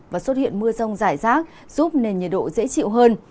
và xuất hiện mưa rông rải rác giúp nền nhiệt độ dễ chịu hơn